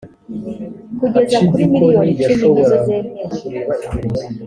kugeza kuri miliyoni icumi nizo zemewe